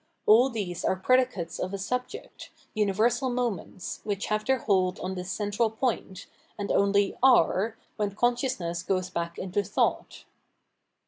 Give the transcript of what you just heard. — all these are predicates of a subject, universal moments, which have their hold on this central point, and only a/re when consciousness goes back into thought.